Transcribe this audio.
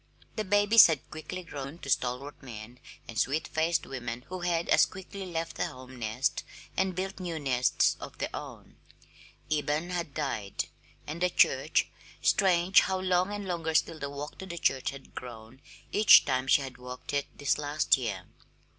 The babies had quickly grown to stalwart men and sweet faced women who had as quickly left the home nest and built new nests of their own. Eben had died; and the church strange how long and longer still the walk to the church had grown each time she had walked it this last year!